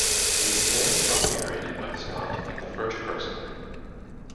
The events are narrated by Scott in the first person.